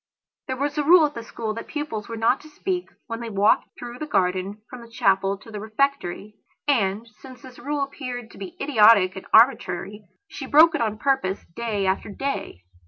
There was a rule at the school that the pupils were not to speak when they walked through the garden from the chapel to the refectory. And, since this rule appeared to be idiotic and arbitrary, she broke it on purpose day after day.